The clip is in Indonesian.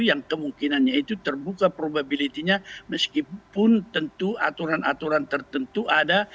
yang kemungkinannya itu terbuka probability nya meskipun tentu aturan aturan tertentu ada